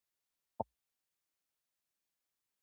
それならばよりカッコイイ魂を残したいなと思っています。